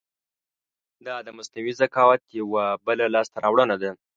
دا د مصنوعي ذکاوت یو بله لاسته راوړنه ده.